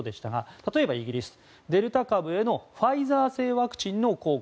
例えばイギリスデルタ株へのファイザー製ワクチンの効果